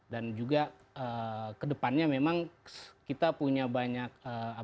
dan juga kedepannya memang kita punya banyak sumber daya untuk menjaga kesehatan